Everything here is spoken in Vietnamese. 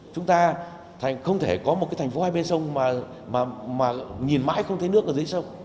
chúng ta không thể có một cái thành phố hai bên sông mà nhìn mãi không thấy nước ở dưới sông